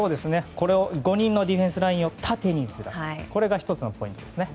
これを５人のディフェンスラインを縦にずらすこれが１つのポイントですね。